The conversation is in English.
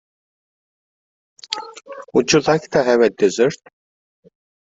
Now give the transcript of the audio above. Would you like to have a desert?